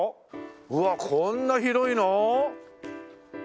うわっこんな広いの？